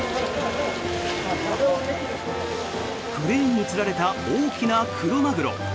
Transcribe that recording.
クレーンにつられた大きなクロマグロ。